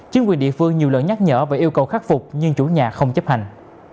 chính quyền địa phương nhiều lần nhắc nhở và yêu cầu khắc phục nhưng chủ nhà không chấp hành